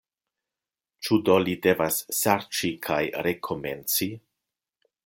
Ĉu do li devas serĉi kaj rekomenci?